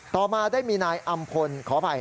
ต่อมาได้มีนายอำพลขออภัย